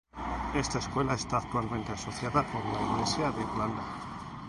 Esta escuela está actualmente asociada con la Iglesia de Irlanda.